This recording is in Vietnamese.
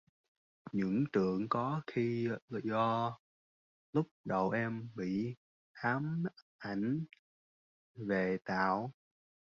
Những Tưởng có khi do lúc đầu em bị ám ảnh về thảo